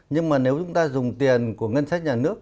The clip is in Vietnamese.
nhưng mà nếu chúng ta dùng tiền của ngân sách nhà nước